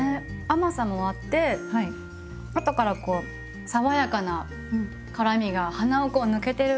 甘さもあって後から爽やかな辛みが鼻をこう抜けてる感じが。